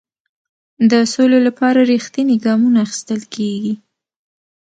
د سولې لپاره رښتیني ګامونه اخیستل کیږي.